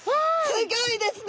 すギョいですね！